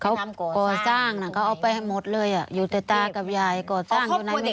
เขาก่อสร้างน่ะเขาเอาไปให้หมดเลยอ่ะอยู่แต่ตากับยายก่อสร้างอยู่ในนี้